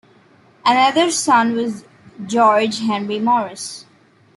Another son was George Henry Morris.